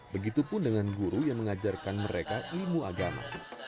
begitupun dengan guru yang mengajarkan mereka ilmu agama